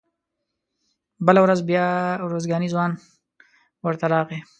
بله ورځ بیا ارزګانی ځوان ورته راغی.